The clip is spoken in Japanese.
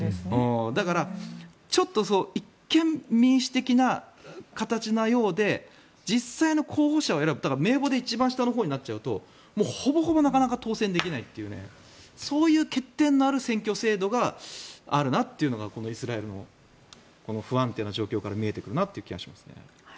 だから、ちょっと一見民主的な形なようで実際の候補者を選ぶ名簿の一番下のほうになるとほぼほぼなかなか当選できないというそういう欠点のある選挙制度があるなというのがこのイスラエルの不安定な状況から見えてくる気がしますね。